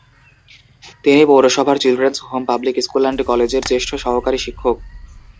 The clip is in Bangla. তিনি পৌরসভার children's home public school and কলেজের জ্যেষ্ঠ সহকারী শিক্ষক।